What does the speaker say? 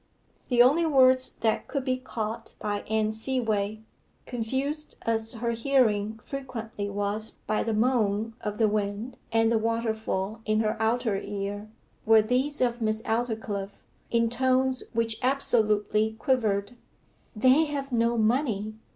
The only words that could be caught by Anne Seaway, confused as her hearing frequently was by the moan of the wind and the waterfall in her outer ear, were these of Miss Aldclyffe, in tones which absolutely quivered: 'They have no money.